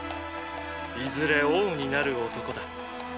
いずれ王になる男だ！！